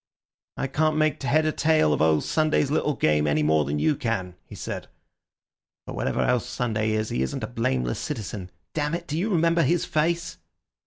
"I can't make head or tail of old Sunday's little game any more than you can," he said. "But whatever else Sunday is, he isn't a blameless citizen. Damn it! do you remember his face?"